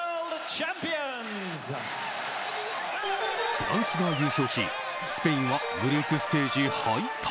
フランスが優勝しスペインはグループステージ敗退。